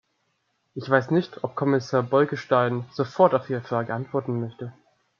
Ich weiß nicht, ob Kommissar Bolkestein sofort auf Ihre Frage antworten möchte.